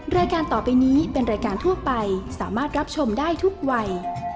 รายการต่อไปนี้เป็นรายการทั่วไปสามารถรับชมได้ทุกวัย